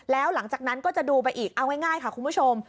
แล้วหลังจากนั้นก็จะดูไปอีกเอาง่ายค่ะคุณผู้ชม